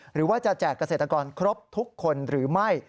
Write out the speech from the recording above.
หรือว่าจะแจกเกษตรกรครบทุกคนหรือไม่